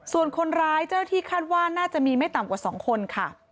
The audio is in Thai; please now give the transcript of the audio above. ส่วนคนร้ายเจ้าที่คาดว่าน่าจะมีไม่ต่ำกว่า๒คนค่ะ